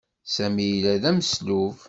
Sami yella d ameslub.